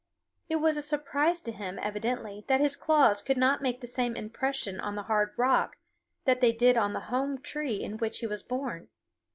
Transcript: It was a surprise to him, evidently, that his claws could not make the same impression on the hard rock that they did on the home tree in which he was born.